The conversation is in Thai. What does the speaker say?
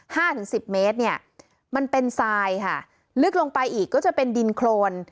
ถึงสิบเมตรเนี่ยมันเป็นทรายค่ะลึกลงไปอีกก็จะเป็นดินโครน